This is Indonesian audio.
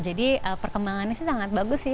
jadi perkembangannya sih sangat bagus sih